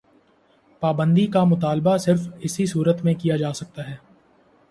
پابندی کا مطالبہ صرف اسی صورت میں کیا جا سکتا ہے۔